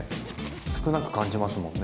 少なく感じますもんね。